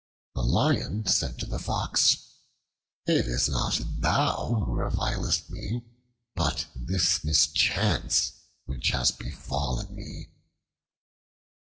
The Lion said to the Fox, "It is not thou who revilest me; but this mischance which has befallen me."